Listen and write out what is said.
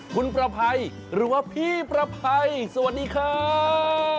คุณประภัยหรือว่าพี่ประภัยสวัสดีครับ